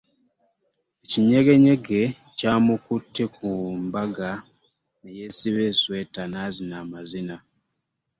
Ekinyegenyege kyamukutte ku mbaga neye siba esweta nazina amazina.